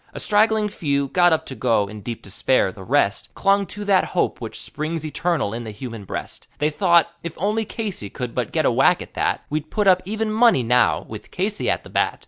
A straggling few got up to go, in deep despair. The rest Clung to that hope which "springs eternal in the human breast;" They thought, If only Casey could but get a whack at that, We'd put up even money now, with Casey at the bat.